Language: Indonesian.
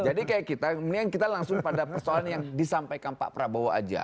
jadi kayak kita mendingan kita langsung pada persoalan yang disampaikan pak prabowo aja